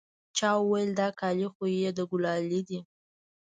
چا وويل دا کالي خو يې د ګلالي دي.